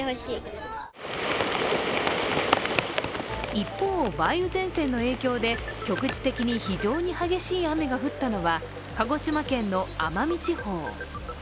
一方、梅雨前線の影響で局地的に非常に激しい雨が降ったのは、鹿児島県の奄美地方。